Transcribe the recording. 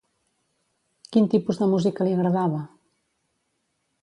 Quin tipus de música li agradava?